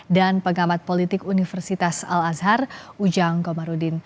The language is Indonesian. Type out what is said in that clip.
dan pegamat politik universitas al azhar ujang komarudin